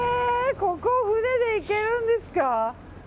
ここ、舟で行けるんですか！